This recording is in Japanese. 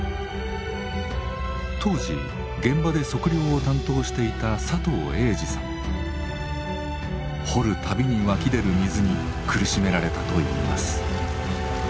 当時現場で測量を担当していた掘る度に湧き出る水に苦しめられたといいます。